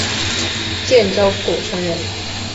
建州浦城人。